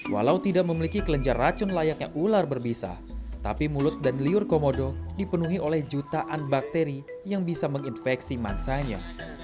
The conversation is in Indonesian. walau tidak memiliki kelenjar racun layaknya ular berbisa tapi mulut dan liur komodo dipenuhi oleh jutaan bakteri yang bisa menginfeksi mansanya